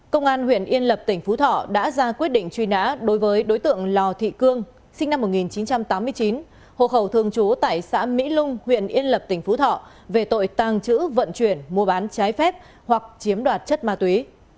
công an huyện yên lập tỉnh phú thọ đã ra quyết định truy nã đối với đối tượng lò thị cương sinh năm một nghìn chín trăm tám mươi chín hộ khẩu thường trú tại xã mỹ lung huyện yên lập tỉnh phú thọ về tội tàng trữ vận chuyển mua bán trái phép hoặc chiếm đoạt chất ma túy